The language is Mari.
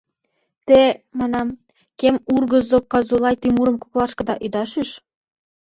— Те, — манам, — кем ургызо Казулай Тимурым коклашкыда ида шӱш.